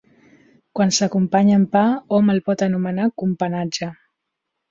Quan s'acompanya amb pa hom el pot anomenar companatge.